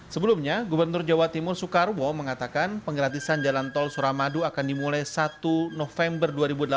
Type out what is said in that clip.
sebelumnya gubernur jawa timur soekarwo mengatakan penggratisan jalan tol suramadu akan dimulai satu november dua ribu delapan belas